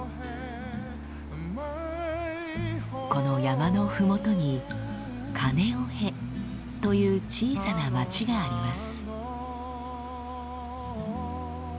この山のふもとにカネオヘという小さな町があります。